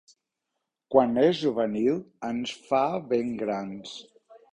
Quan és juvenil ens fa ben grans.